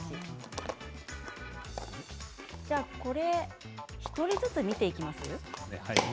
これ、１人ずつ見ていきます。